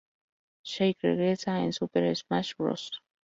Sheik regresa en Super Smash Bros.